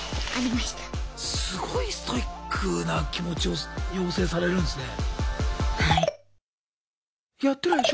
すごいストイックな気持ちを養成されるんですね。